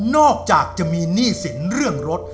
อกจากจะมีหนี้สินเรื่องรถ